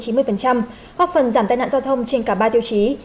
góp phần giảm tai nạn giao thông trên cả ba tiêu chí